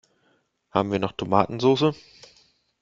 Haben wir noch Tomatensoße?